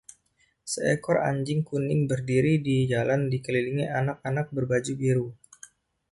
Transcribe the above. Seekor anjing kuning berdiri di jalan dikelilingi anak-anak berbaju biru.